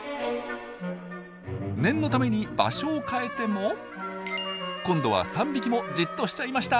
念のために場所を変えても今度は３匹もじっとしちゃいました！